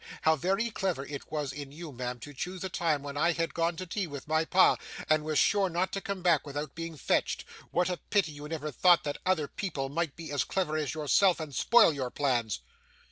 How very clever it was in you, ma'am, to choose a time when I had gone to tea with my pa, and was sure not to come back without being fetched! What a pity you never thought that other people might be as clever as yourself and spoil your plans!